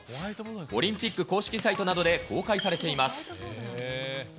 オリンピック公式サイトなどで公開されています。